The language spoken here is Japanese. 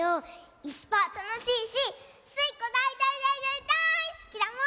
いすパーたのしいしスイ子だいだいだいだいすきだもん！